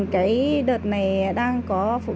cái đợt này đang có